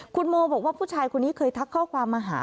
คุณโมบอกว่าผู้ชายคนนี้เคยทักข้อความมาหา